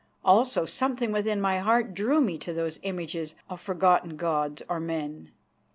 Also something within my heart drew me to those images of forgotten gods or men.